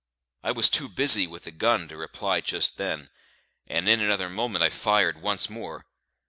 I was too busy with the gun to reply just then, and in another moment I fired once more.